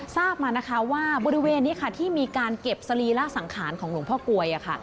ทราบมานะคะว่าบริเวณนี้ค่ะที่มีการเก็บสรีระสังขารของหลวงพ่อกลวยค่ะ